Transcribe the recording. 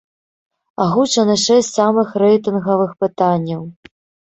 Агучаны шэсць самых рэйтынгавых пытанняў.